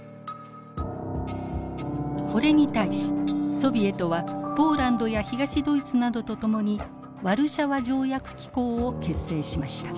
これに対しソビエトはポーランドや東ドイツなどと共にワルシャワ条約機構を結成しました。